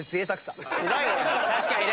確かにね